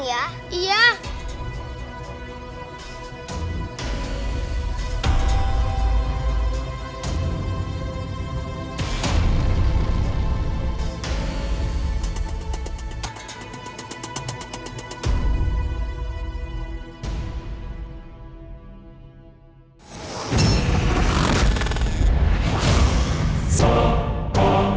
ya aku mau makan